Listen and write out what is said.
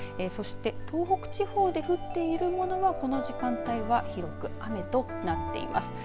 そして東北地方で降っているものはこの時間帯は広く雨となっています。